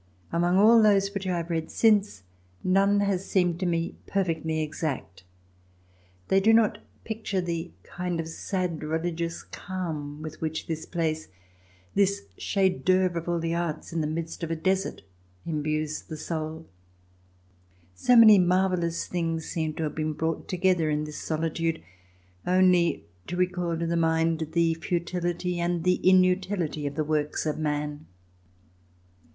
Among all those which I have read since, none has seemed to me perfectly exact. They do not picture the kind of sad religious calm with which this place, this chef RECOLLECTIONS OF THE REVOLUTION d'ceuvre of all the arts, in the midst of a desert, imbues the soul. So many marvellous things seem to have been brought together in this solitude, only to recall to the mind the futility and the inutility of the works of man.